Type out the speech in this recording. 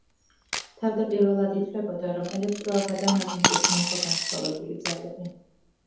თავდაპირველად ითვლებოდა რომ, ელექტროობა და მაგნეტიზმი იყო განსხვავებული ძალები.